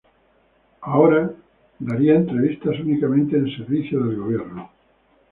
Ahora daría entrevistas únicamente en servicio del gobierno.